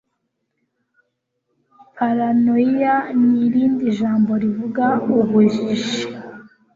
paranoia ni irindi jambo rivuga ubujiji